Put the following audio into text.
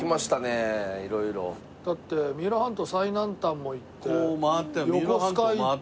だって三浦半島最南端も行って横須賀行って。